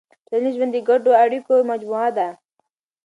ټولنیز ژوند د ګډو اړیکو مجموعه ده.